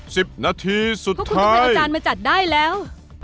สิบนาทีสุดท้ายพวกคุณต้องไปเอาจานมาจัดได้แล้ว